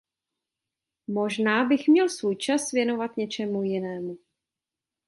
Možná bych měl svůj čas věnovat něčemu jinému.